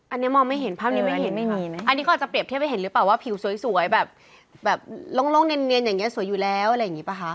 อันนี้มองไม่เห็นภาพนี้ไม่เห็นไม่มีนะอันนี้เขาอาจจะเรียบเทียบให้เห็นหรือเปล่าว่าผิวสวยแบบโล่งเนียนอย่างเงี้สวยอยู่แล้วอะไรอย่างนี้ป่ะคะ